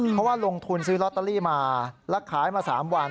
เพราะว่าลงทุนซื้อลอตเตอรี่มาแล้วขายมา๓วัน